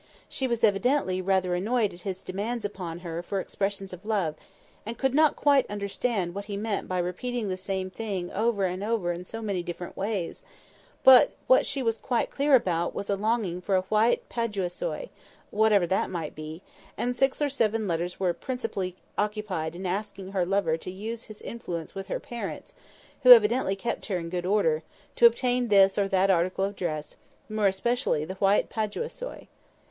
She was evidently rather annoyed at his demands upon her for expressions of love, and could not quite understand what he meant by repeating the same thing over in so many different ways; but what she was quite clear about was a longing for a white "Paduasoy"—whatever that might be; and six or seven letters were principally occupied in asking her lover to use his influence with her parents (who evidently kept her in good order) to obtain this or that article of dress, more especially the white "Paduasoy."